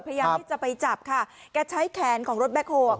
พยายามที่จะไปจับค่ะแกใช้แขนของรถแบ็คโฮล